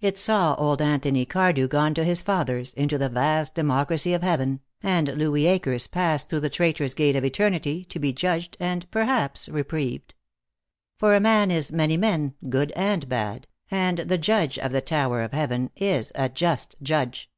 It saw old Anthony Cardew gone to his fathers, into the vast democracy of heaven, and Louis Akers passed through the Traitors' Gate of eternity to be judged and perhaps reprieved. For a man is many men, good and bad, and the Judge of the Tower of Heaven is a just Judge.